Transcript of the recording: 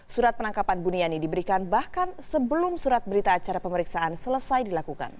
surat penangkapan buniani diberikan bahkan sebelum surat berita acara pemeriksaan selesai dilakukan